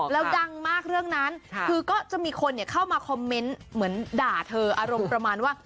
แล้วดังมากเรื่องนั้นคือก็จะมีคนเข้ามาคอมเมนต์เหมือนด่าเธออารมณ์ประมาณว่า